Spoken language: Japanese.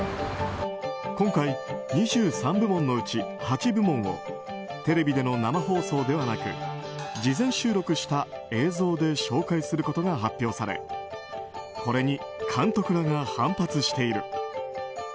今回、２３部門のうち８部門をテレビでの生放送ではなく事前収録した映像で紹介することが発表されこれに監督らが反発している。